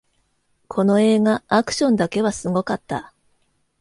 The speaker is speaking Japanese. この映画、アクションだけはすごかった